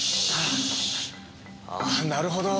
あぁなるほど。